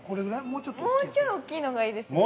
◆もうちょっい大きいのがいいですね。